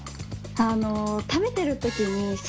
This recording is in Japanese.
あの食べてる時にあ！